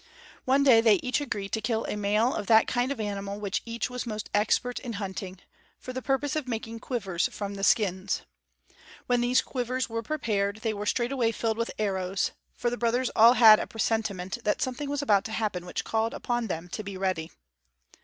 One day they each agreed to kill a male of that kind of animal which each was most expert in hunting, for the purpose of making quivers from the skins. When these quivers were prepared, they were straightway filled with arrows; for the brothers all had a presentiment that something was about to happen which called upon them to be ready.